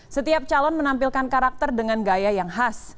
setiap calon menampilkan karakter dengan gaya yang khas